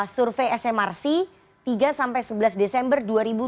survei smrc tiga sampai sebelas desember dua ribu dua puluh